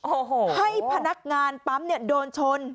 โอ้โหให้พนักงานปั๊มเนี่ยโดนชน